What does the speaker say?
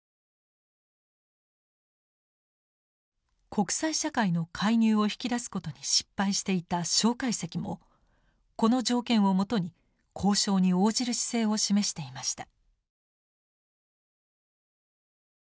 国際社会の介入を引き出すことに失敗していた介石もこの条件をもとに交渉に応じる姿勢を示していました。